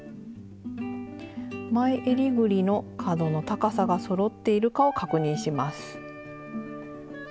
前えりぐりの角の高さがそろっているかを確認します。